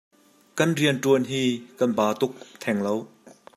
Kan rianṭuan hi kan ba tuk theng lo.